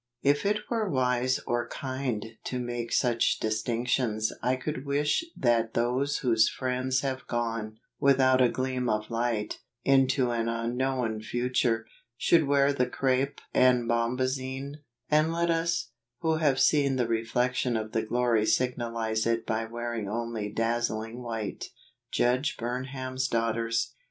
If it were wise or kind to make such distinctions I could wish that those whose friends have gone, without a gleam of light, into an unknown future, should wear the crepe and bombazine ; and let us, who have seen the reflection of the glory signalize it by wearing only dazzling white. Judge Burnham's Daughters.